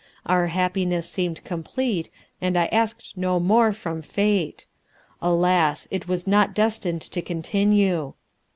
Our happiness seemed complete and I asked no more from fate. Alas! it was not destined to continue!